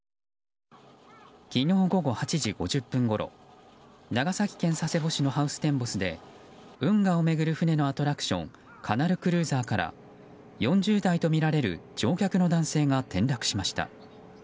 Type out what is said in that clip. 昨日午後８時５０分ごろ長崎県佐世保市のハウステンボスで運河を巡る船のアトラクションカナルクルーザーから４０代とみられる乗客の男性が転落しました。